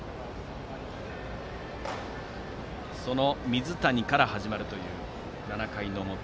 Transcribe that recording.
その水谷から始まる７回の表。